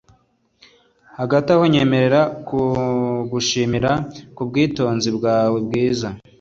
Hagati aho nyemerera kugushimira kubwubwitonzi bwawe bwiza